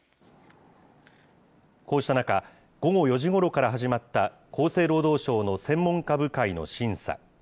こうした中、午後４時ごろから始まった厚生労働省の専門家部会の審査。